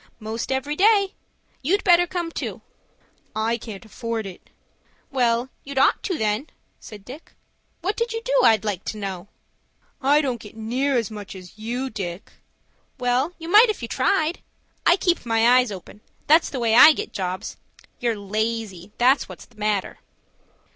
"Most every day. You'd better come too." "I can't afford it." "Well, you'd ought to, then," said Dick. "What do you do I'd like to know?" "I don't get near as much as you, Dick." "Well you might if you tried. I keep my eyes open,—that's the way I get jobs. You're lazy, that's what's the matter."